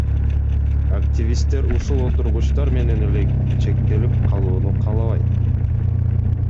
Активисттер ушул отургучтар менен эле чектелип калууну каалабайт.